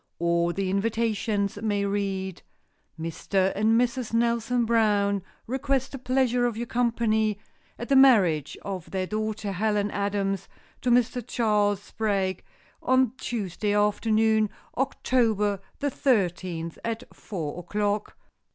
Or the invitations may read: "Mr. and Mrs. Nelson Brown request the pleasure of your company at the marriage of their daughter, Helen Adams, to Mr. Charles Sprague, on Tuesday afternoon, October the thirteenth, at four o'clock."